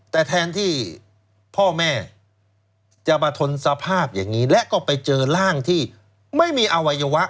แต่แทนที่พ่อแม่จะมาทนสภาพอย่างนี้และก็ไปเจอร่างที่ไม่มีอวัยวะ